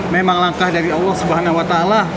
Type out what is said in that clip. memang langkah dari allah swt